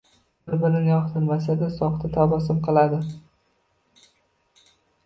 Bir-birini yoqtirmasa-da, soxta tabassum qiladi.